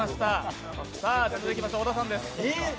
続きまして小田さんです。